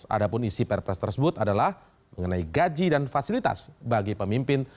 adapun isi perpres tersebut adalah mengenai gaji dan fasilitas bagi pemimpin